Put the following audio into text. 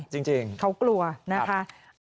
จริงเขากลัวนะครับใช่